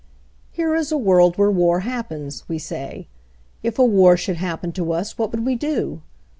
"Here is a world where war happens," we say. "If a war should happen to us what would we do?